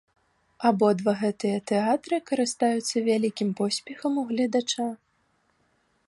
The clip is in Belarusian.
Абодва гэтыя тэатры карыстаюцца вялікім поспехам у гледача.